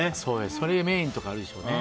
それメインとかあるでしょうね。